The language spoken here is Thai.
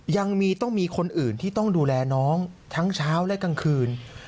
ต้องมีคนอื่นที่ต้องดูแลน้องทั้งเช้าและกลางคืน